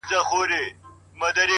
د زړگي ښار ته مي لړم د لېمو مه راوله!